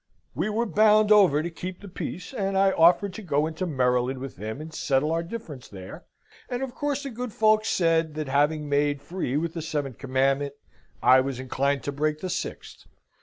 "We were bound over to keep the peace; and I offered to go into Maryland with him and settle our difference there, and of course the good folk said, that having made free with the seventh commandment I was inclined to break the sixth.